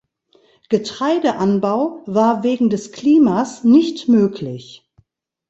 Getreideanbau war wegen des Klimas nicht möglich.